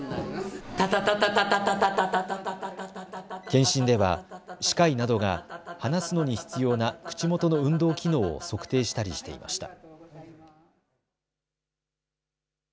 検診では歯科医などが話すのに必要な口元の運動機能を測定したりしていました。